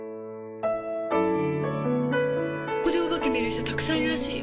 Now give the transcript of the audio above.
ここでお化け見る人たくさんいるらしいよ。